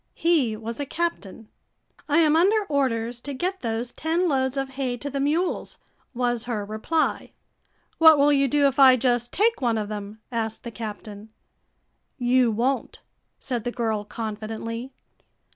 He was a captain. "I am under orders to get those ten loads of hay to the mules," was her reply. "What will you do if I just take one of them?" asked the captain. "You won't," said the girl confidently.